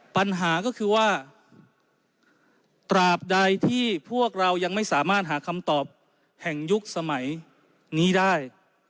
ปัญหาก็คือว่าตราบใดที่พวกเรายังไม่สามารถหาคำตอบแห่งยุคสมัยนี้ได้